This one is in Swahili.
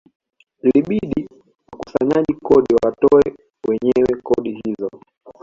Ilibidi wakusanyaji kodi watoe wenyewe kodi hizo